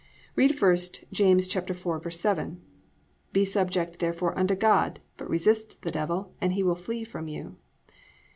1. Read first, James 4:7, +"Be subject therefore unto God: but resist the devil, and he will flee from you."